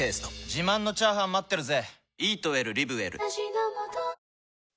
自慢のチャーハン待ってるぜ！